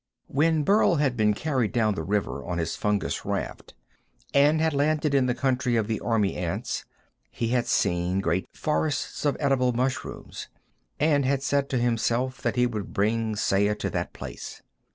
When Burl had been carried down the river on his fungus raft, and had landed in the country of the army ants, he had seen great forests of edible mushrooms, and had said to himself that he would bring Saya to that place.